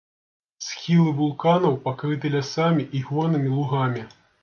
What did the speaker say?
Схілы вулканаў пакрыты лясамі і горнымі лугамі.